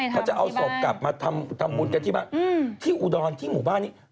เขาจะเอาศพกลับมาทำบุญกันที่บ้านที่อุดรที่หมู่บ้านนี้